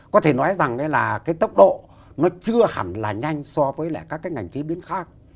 có thể nói rằng là cái tốc độ nó chưa hẳn là nhanh so với lại các cái ngành chế biến khác